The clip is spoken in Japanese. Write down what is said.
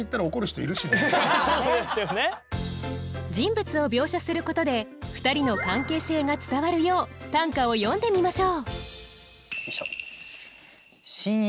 人物を描写することで２人の関係性が伝わるよう短歌を詠んでみましょう。